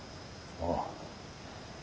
ああ。